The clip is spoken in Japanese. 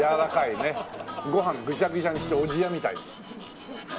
ご飯ぐしゃぐしゃにしておじやみたいな。